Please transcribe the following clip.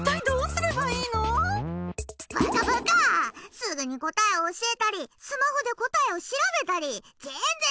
すぐに答えを教えたりスマホで答えを調べたり全然駄目だブーカ！